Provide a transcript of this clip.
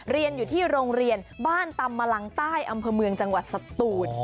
เรียนอยู่ที่โรงเรียนบ้านตำมะลังใต้อำเภอเมืองจังหวัดสตูน